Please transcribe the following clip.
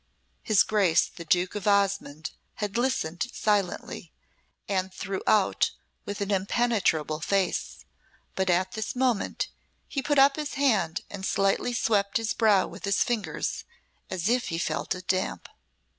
'" His Grace the Duke of Osmonde had listened silently, and throughout with an impenetrable face, but at this moment he put up his hand and slightly swept his brow with his fingers, as if he felt it damp.